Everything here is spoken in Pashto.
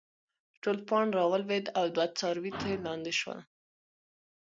ټول پاڼ راولويد او دوه څاروي ترې لانې شول